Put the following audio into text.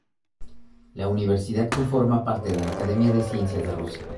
La universidad conforma parte de la Academia de Ciencias de Rusia.